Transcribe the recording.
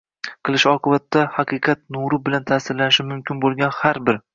qilishi oqibatida haqiqat nuri bilan ta’sirlanishi mumkin bo‘lgan har bir